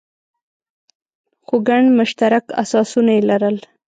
خو ګڼ مشترک اساسونه یې لرل.